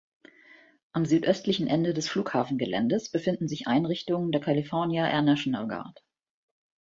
Am südöstlichen Ende des Flughafengeländes befinden sich Einrichtungen der California Air National Guard.